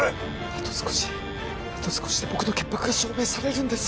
あと少しあと少しで僕の潔白が証明されるんです